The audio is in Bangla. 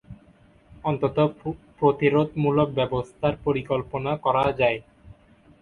অন্তত প্রতিরোধমূলক ব্যবস্থার পরিকল্পনা করা যায়।